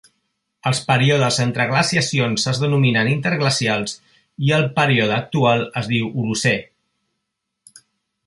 Els períodes entre glaciacions es denominen interglacials, i el període actual es diu Holocè.